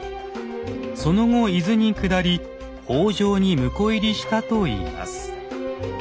その後伊豆に下り北条に婿入りしたといいます。